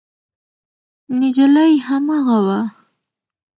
نجلۍ هماغه وه.